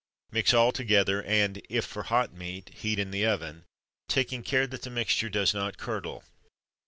Mix all together, and, if for hot meat, heat in the oven, taking care that the mixture does not curdle.